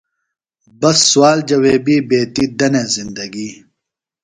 بس سوال جویبیۡ بیتیۡ دنے زندگی۔